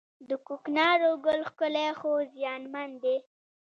د کوکنارو ګل ښکلی خو زیانمن دی